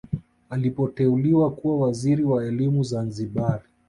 Alipoteuliwa kuwa waziri wa elimu Zanzibari